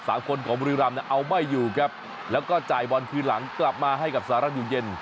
สามคนของบุรีรำเนี่ยเอาไม่อยู่ครับแล้วก็จ่ายบอลคืนหลังกลับมาให้กับสหรัฐอยู่เย็น